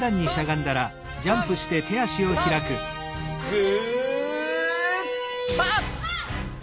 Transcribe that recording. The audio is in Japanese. グーパッ！